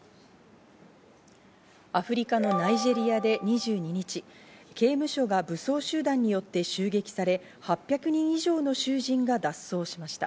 アフリカのナイジェリアで２２日、刑務所が武装集団によって襲撃され、８００人以上の囚人が脱走しました。